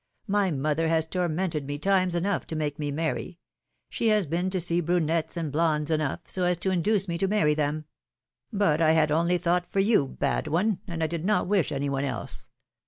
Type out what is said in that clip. My mother has tormented me times enougli to make me marry. She has been to see brunettes and blondes enough, so as to induce me to marry them ; but I had only thought for you, bad one, and I did not 4 58 PHILOMiiNE's MARRIAGES. wish any one else.